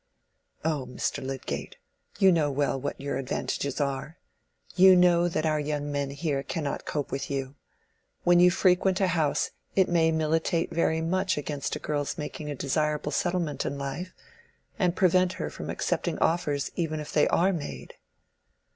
"Oh, Mr. Lydgate, you know well what your advantages are. You know that our young men here cannot cope with you. Where you frequent a house it may militate very much against a girl's making a desirable settlement in life, and prevent her from accepting offers even if they are made."